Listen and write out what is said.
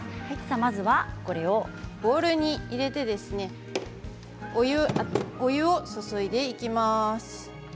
まずはこれをボウルに入れてお湯を注いでいきます。